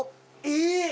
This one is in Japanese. えっ！